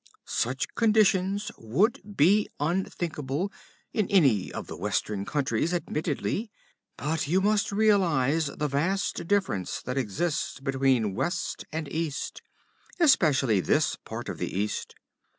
Such conditions would be unthinkable in any of the Western countries, admittedly. But you must realize the vast difference that exists between West and East, especially this part of the East.